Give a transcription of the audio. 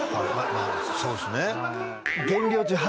まぁそうっすね。